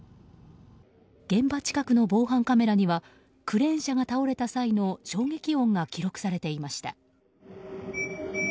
現場近くの防犯カメラにはクレーン車が倒れた際の衝撃音が記録されていました。